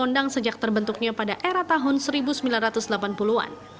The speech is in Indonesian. kondang sejak terbentuknya pada era tahun seribu sembilan ratus delapan puluh an